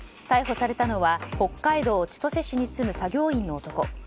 逮捕されたのは北海道千歳市に住む作業員の男。